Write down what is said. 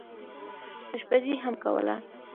اشپزي هم کوله.